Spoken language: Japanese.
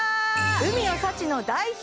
海の幸の代表